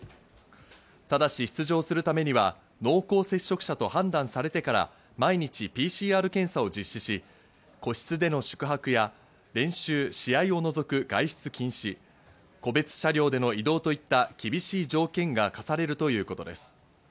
ただし出場するためには濃厚接触者と判断されてから毎日、ＰＣＲ検査を実施し個室での宿泊や練習・試合を除く外出禁止、個別車両での移動といった厳しい条件が課されるということです。